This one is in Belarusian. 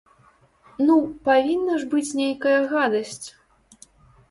Ну, павінна ж быць нейкая гадасць!